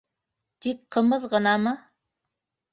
—Тик ҡымыҙ ғынамы?